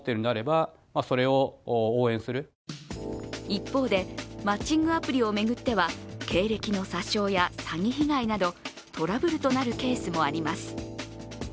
一方で、マッチングアプリを巡っては経歴の詐称や詐欺被害など、トラブルとなるケースもあります。